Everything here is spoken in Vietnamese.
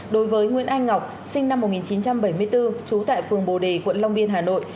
đối với nguyễn anh ngọc sinh năm một nghìn chín trăm bảy mươi bốn trú tại phường bồ đề quận long biên hà nội